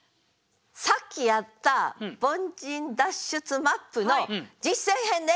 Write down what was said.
さっきやった「凡人脱出マップ」の実践編です。